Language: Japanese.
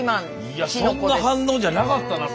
いやそんな反応じゃなかったな